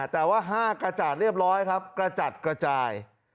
แต่ว่า๕กระจาดเรียบร้อยครับกระจัดกระจาย